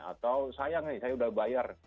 atau sayang nih saya sudah bayar